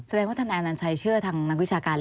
แสดงว่าทนายอนัญชัยเชื่อทางนักวิชาการ